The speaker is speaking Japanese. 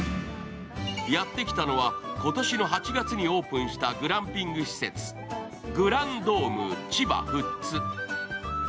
やってきたのは今年の８月にオープンしたグランピング施設、グランドーム千葉富津。